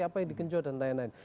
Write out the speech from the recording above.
apa yang digenjot dan lain lain